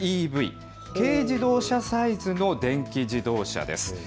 軽自動車サイズの電気自動車です。